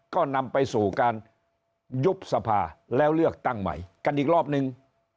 ก็นำไปสู่การยุบสภาแล้วเลือกตั้งใหม่กันอีกรอบนึง